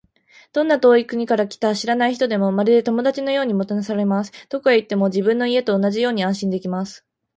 どんな遠い国から来た知らない人でも、まるで友達のようにもてなされます。どこへ行っても、自分の家と同じように安心できます。